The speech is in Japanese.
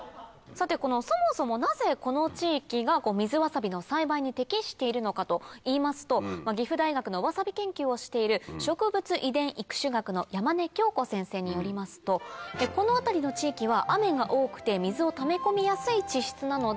さてそもそもなぜこの地域が水わさびの栽培に適しているのかといいますと岐阜大学のわさび研究をしている植物遺伝育種学の山根京子先生によりますとこの辺りの地域は。に出るんです。